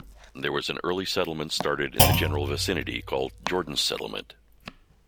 There was an early settlement started in the general vicinity called "Jordan's Settlement".